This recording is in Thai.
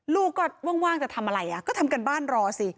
ลูกก็ว่างว่างจะทำอะไรอ่ะก็ทำกันบ้านรอสิ